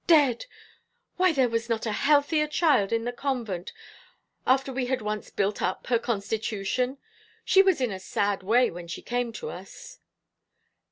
Dead! Why, there was not a healthier child in the convent, after we had once built up her constitution. She was in a sad way when she came to us."